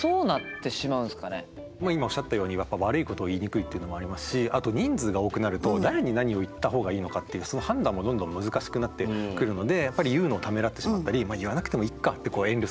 今おっしゃったように悪いことを言いにくいっていうのもありますしあと人数が多くなると誰に何を言った方がいいのかっていうその判断もどんどん難しくなってくるのでやっぱり言うのをためらってしまったり言わなくてもいっかって遠慮する。